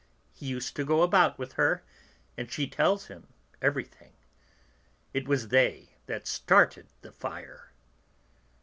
He used to go about with her, and she tells him everything. It was they that started the fire."